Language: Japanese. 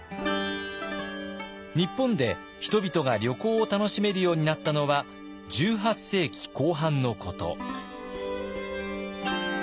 日本で人々が旅行を楽しめるようになったのは１８世紀後半のこと。